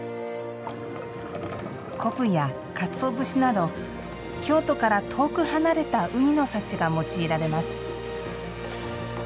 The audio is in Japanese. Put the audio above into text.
昆布やかつお節など京都から遠く離れた海の幸が用いられます。